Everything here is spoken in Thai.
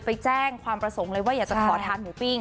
ไปแจ้งความประสงค์เลยว่าอยากจะขอทานหมูปิ้ง